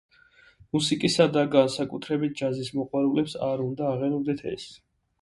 მუსიკისა და განსაკუთრებით ჯაზის მოყვარულებს არ უნდა აღელვებდეთ ეს.